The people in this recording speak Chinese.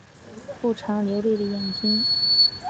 不常流泪的眼睛